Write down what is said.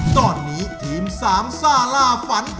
ตอนนี้ทีมสามซ่าล่าฝัน